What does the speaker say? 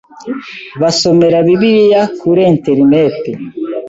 basomera bibiliya kuri interineti